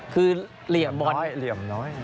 คือเหลี่ยมบอลเหลี่ยมน้อย